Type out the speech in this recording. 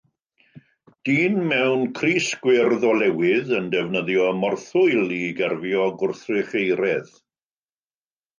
Dyn mewn crys gwyrdd olewydd yn defnyddio morthwyl i gerfio gwrthrych euraidd.